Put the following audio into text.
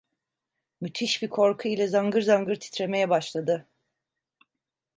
Müthiş bir korku ile zangır zangır titremeye başladı.